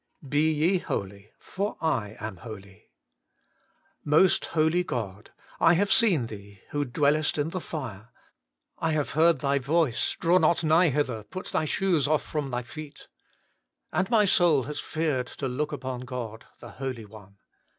BE YE HOLY, FOR I AM HOLY. Most Holy God ! I have seen Thee, who dwellest in the fire. I have heard Thy voice, Draw not nigh hither ; put thy shoes off from thy feet. And my soul has feared to look upon God, the Holy One.